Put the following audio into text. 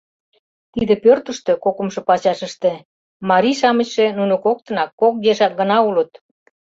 Тиде пӧртыштӧ, кокымшо пачашыште, марий-шамычше нуно коктынак, кок ешак, гына улыт.